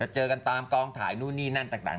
เจอกันตามกองถ่ายนู่นนี่นั่นต่าง